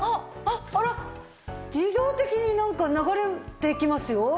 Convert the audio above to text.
あら自動的になんか流れていきますよ。